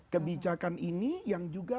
kebijakan ini yang juga